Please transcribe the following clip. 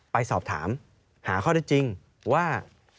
ไปสอบถามหาข้อได้จริงว่า